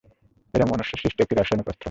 এটা মনুষ্য-সৃষ্ট একটি রাসায়নিক অস্ত্র।